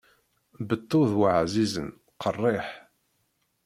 Beṭṭu d waɛzizen, qeṛṛiḥ.